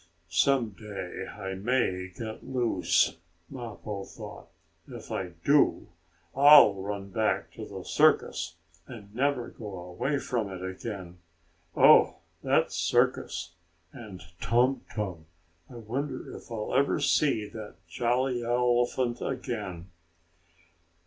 "Some day I may get loose," Mappo thought. "If I do, I'll run back to the circus, and never go away from it again. Oh that circus! And Tum Tum! I wonder if I'll ever see the jolly elephant again."